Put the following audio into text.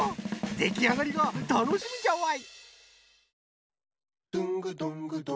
できあがりがたのしみじゃわい。